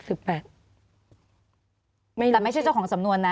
แต่ไม่ใช่เจ้าของสำนวนนะ